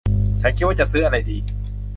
ฉันจะคิดว่าจะซื้ออะไรดี